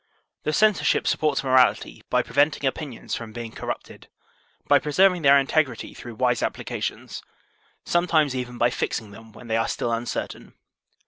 The censorship supports morality by preventing opinions from being corrupted, by preserving their integrity through wise applications, sometimes even by fixing them when they are still uncertain.